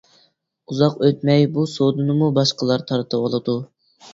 ئۇزاق ئۆتمەي بۇ سودىنىمۇ باشقىلار تارتىۋالىدۇ.